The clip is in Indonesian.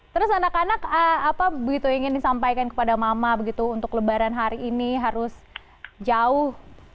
terus anak anak apa begitu ingin disampaikan kepada mama begitu untuk lebaran hari ini harus jauh